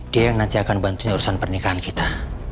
dia yang nanti akan bantuin urusan pernikahan kita